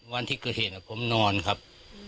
วันที่เกิดเหตุผมนอนครับ